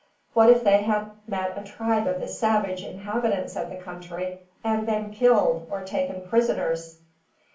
What if they had met a tribe of the savage inhabitants of the country, and been killed or taken prisoners?